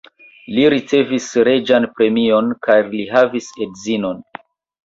Li ricevis reĝan premion kaj li havis edzinon.